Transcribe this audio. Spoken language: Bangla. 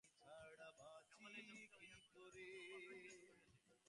হেমনলিনী চকিত হইয়া কহিল, রমেশবাবু, আপনার কি অসুখ করিয়াছে?